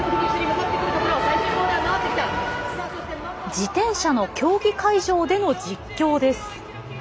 自転車の競技会場での実況です。